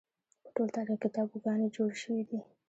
په ټول تاریخ کې تابوگانې جوړې شوې دي